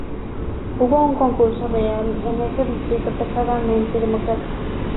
Hubo un concurso real en este distrito pesadamente Democrático.